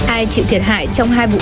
ai chịu thiệt hại trong hai vụ